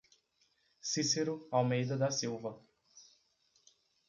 Cicero Almeida da Silva